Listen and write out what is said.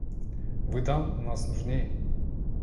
Вы — там, у нас, нужней!